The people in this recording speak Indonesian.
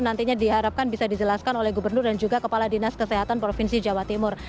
nantinya diharapkan bisa dijelaskan oleh gubernur dan juga kepala dinas kesehatan provinsi jawa timur